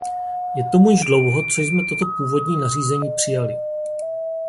Je tomu již dlouho, co jsme tato původní nařízení přijali.